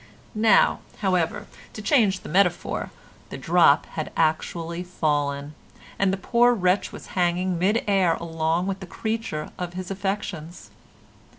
Now, however, to change the metaphor, the drop had actually fallen, and the poor wretch was hanging in mid air along with the creature of his affections.